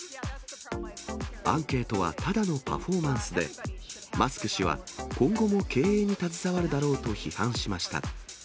アンケートはただのパフォーマンスで、マスク氏は今後も経営に携わるだろうと批判しました。